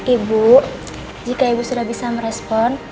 ibu jika ibu sudah bisa merespon